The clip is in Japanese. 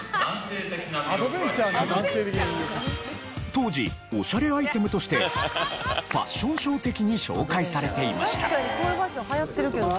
当時オシャレアイテムとしてファッションショー的に紹介されていました。